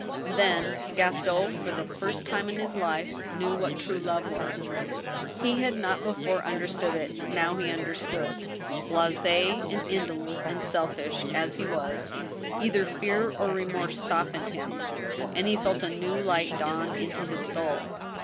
Then Gaston for the first time in his life knew what true love was. He had not before understood it, now he understood. Biasi and indolent and selfish as he was, either fear or remorse softened him, and he felt a new light dawn into his soul.